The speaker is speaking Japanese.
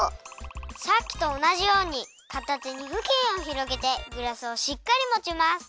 さっきとおなじようにかた手にふきんをひろげてグラスをしっかりもちます。